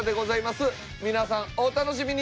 皆さんお楽しみに！